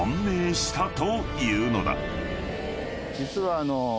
実は。